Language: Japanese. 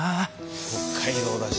北海道だし。